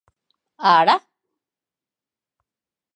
Hara!